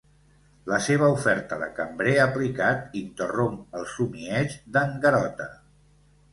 La seva oferta de cambrer aplicat interromp el somieig d'en Garota.